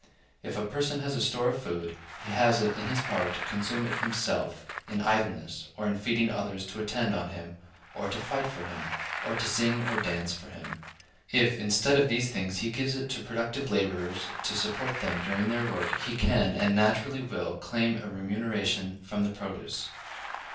If a person has a store of food, he has it in his power to consume it himself in idleness, or in feeding others to attend on him, or to fight for him, or to sing or dance for him. If, instead of these things, he gives it to productive laborers to support them during their work, he can, and naturally will, claim a remuneration from the produce.